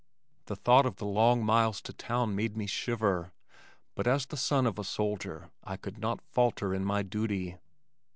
The thought of the long miles to town made me shiver but as the son of a soldier I could not falter in my duty.